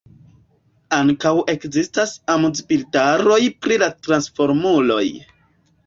Ankaŭ ekzistas amuzbildaroj pri la Transformuloj.